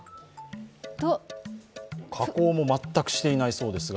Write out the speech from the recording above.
加工も全くしていないそうですが。